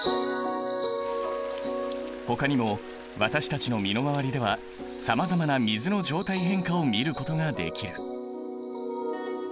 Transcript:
ほかにも私たちの身の回りではさまざまな水の状態変化を見ることができる。